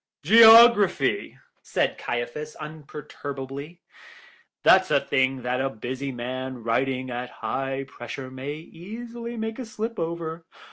"Geography," said Caiaphas, imperturbably; "that's a thing that a busy man, writing at high pressure, may easily make a slip over.